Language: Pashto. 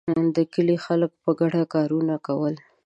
د کلي خلکو په ګډه کارونه کول.